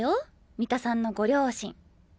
三田さんのご両親。